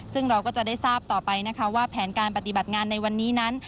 ซึ่งเราก็จะได้ทราบต่อไปนะคะว่าแผนการปฏิบัติงานในวันนี้นั้น